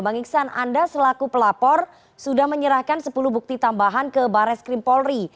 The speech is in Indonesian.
bang iksan anda selaku pelapor sudah menyerahkan sepuluh bukti tambahan ke baris krim polri